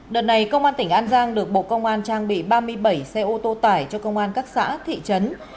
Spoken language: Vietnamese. đợt này công an tỉnh an giang được bộ công an trang bị ba mươi bảy xe ô tô tải cho công an các xã thị trấn